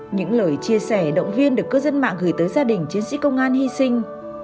những lời chia sẻ động viên được cư dân mạng gửi tới gia đình chiến sĩ công an hy sinh